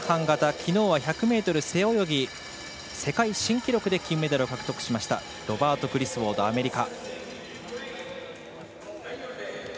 きのうは１００ｍ背泳ぎ世界新記録で金メダルを獲得したロバート・グリスウォードアメリカ。